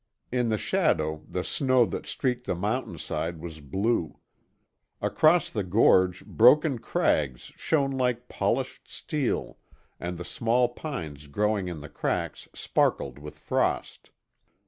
In the shadow, the snow that streaked the mountain side was blue; across the gorge broken crags shone like polished steel and the small pines growing in the cracks sparkled with frost.